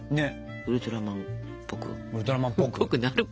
ウルトラマンっぽくなるか？